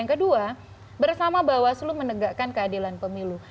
yang kedua bersama bawas lu menegakkan keadilan pemilu